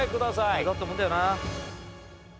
これだと思うんだよな。